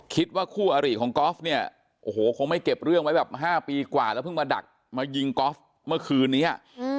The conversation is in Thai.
คู่อริของกอล์ฟเนี่ยโอ้โหคงไม่เก็บเรื่องไว้แบบ๕ปีกว่าแล้วเพิ่งมาดักมายิงกอล์ฟเมื่อคืนนี้